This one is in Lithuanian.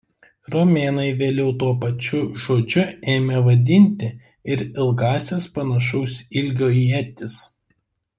Romėnai vėliau tuo pačiu žodžiu ėmė vadinti ir ilgąsias panašaus ilgio ietis.